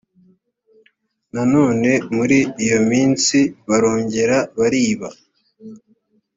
nanone muri iyo minsibarongera bariba